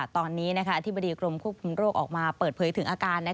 ตอนนี้อธิบดีกรมควบคุมโรคออกมาเปิดเผยถึงอาการ